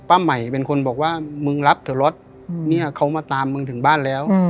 ใหม่เป็นคนบอกว่ามึงรับเถอะรถเนี่ยเขามาตามมึงถึงบ้านแล้ว